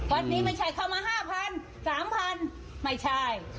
วันนี้ไม่ใช่เข้ามา๕๐๐๓๐๐ไม่ใช่